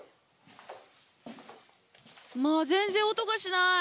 まあ全然音がしない！